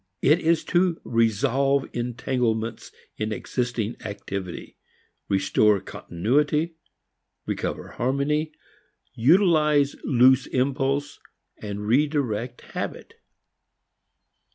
It is to resolve entanglements in existing activity, restore continuity, recover harmony, utilize loose impulse and redirect habit.